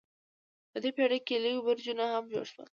په دې پیړۍ کې لوی برجونه هم جوړ شول.